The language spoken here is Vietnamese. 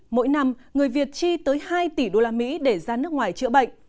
mỗi năm người việt chi tới hai tỷ usd để ra nước ngoài chữa bệnh